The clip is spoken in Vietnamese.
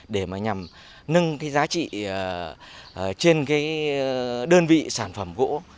để nhằm nâng giá trị trên đơn vị sản phẩm gỗ